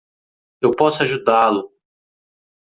Eu posso ajudá-lo!